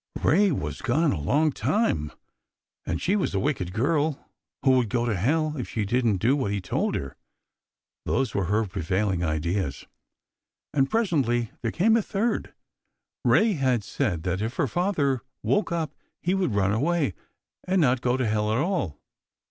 Kay was gone a long time, and she was a wicked girl who would go to hell if she didn't do what he told her. Those were her prevail ing ideas. And presently there came a third. Ray had said that if her father woke up he would run away, and not go to hell at all.